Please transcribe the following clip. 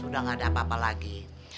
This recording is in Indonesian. udah gak ada apa apa lagi